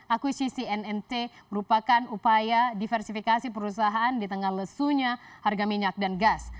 akuisisi nnt merupakan upaya diversifikasi perusahaan di tengah lesunya harga minyak dan gas